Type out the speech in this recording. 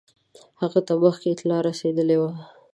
هغه ته مخکي اطلاع رسېدلې وه.